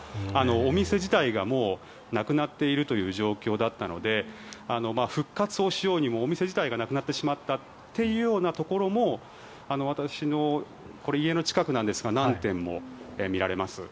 お店自体がもうなくなっているという状況だったので復活をしようにもお店自体がなくなってしまったというようなところも私の家の近くなんですが何店も見られます。